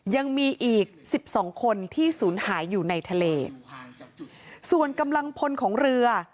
ยังมีอีกสิบสองคนที่ศูนย์หายอยู่ในทะเลส่วนกำลังพลของเรือ